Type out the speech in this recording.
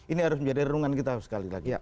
ini harus menjadi renungan kita sekali lagi